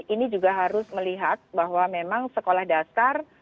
ini juga harus melihat bahwa memang sekolah dasar